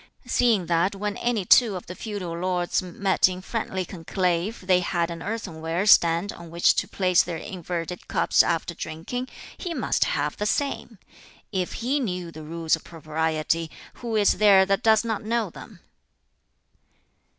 Seeing that when any two of the feudal lords met in friendly conclave they had an earthenware stand on which to place their inverted cups after drinking, he must have the same! If he knew the Rules of Propriety, who is there that does not know them?"